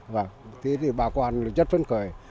và thế thì bà quang rất phân khởi